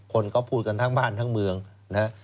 คนเขาพูดกันทั้งบ้านทั้งเมืองนะครับ